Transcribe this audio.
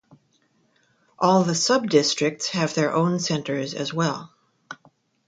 All the sub-districts have their own centres as well.